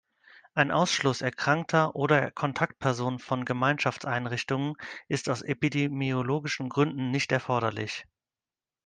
Ein Ausschluss Erkrankter oder Kontaktpersonen von Gemeinschaftseinrichtungen ist aus epidemiologischen Gründen nicht erforderlich.